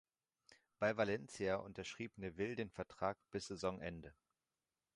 Bei Valencia unterschrieb Neville einen Vertrag bis Saisonende.